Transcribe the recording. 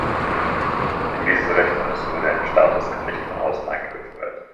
Gegen dieses Recht eines souveränen Staates kann nicht von außen eingegriffen werden.